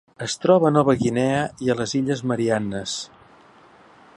Es troba a Nova Guinea i a les Illes Mariannes.